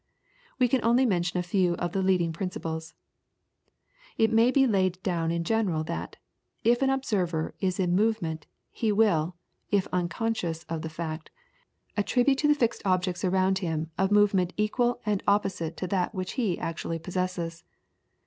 We can only mention a few of the leading principles. It may be laid down in general that, if an observer is in movement, he will, if unconscious of the fact, attribute to the fixed objects around him a movement equal and opposite to that which he actually possesses.